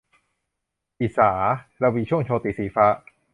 อีสา-รวีช่วงโชติ - สีฟ้า